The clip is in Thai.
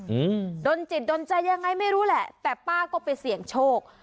อืมโดนจิตโดนใจยังไงไม่รู้แหละแต่ป้าก็ไปเสี่ยงโชค